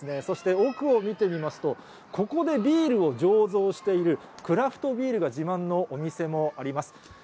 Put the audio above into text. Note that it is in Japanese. そして奥を見てみますと、ここでビールを醸造している、クラフトビールが自慢のお店もあります。